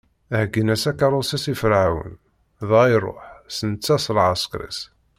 Heggan-as akeṛṛus-is i Ferɛun, dɣa iṛuḥ, s netta, s lɛeskeṛ-is.